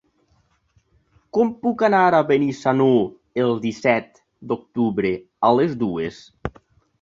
Com puc anar a Benissanó el disset d'octubre a les dues?